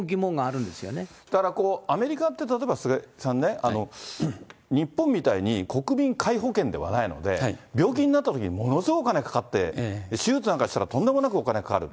だから、アメリカって例えば、菅井さんね、日本みたいに国民皆保険ではないので、病気になったときにものすごいお金かかって、手術なんかしたらとんでもなくお金かかる。